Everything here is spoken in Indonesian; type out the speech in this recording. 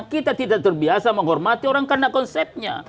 kita tidak terbiasa menghormati orang karena konsepnya